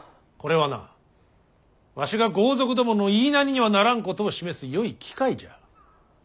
これはなわしが豪族どもの言いなりにはならんことを示すよい機会じゃ。